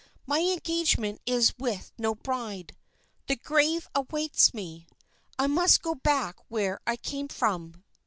"My engagement is with no bride. The grave awaits me! I must go back where I came from!"